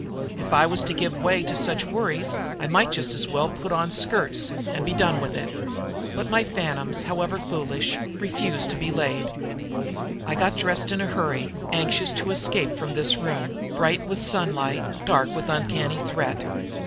If I was to give way to such worries I might just as well put on skirts and be done with it. But my phantoms, however foolish, refused to be laid. I got dressed in a hurry, anxious to escape from this room, bright with sunlight, dark with uncanny threat.